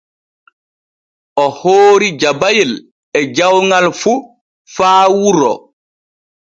O hoori jabayel e jawŋal fu faa wuro.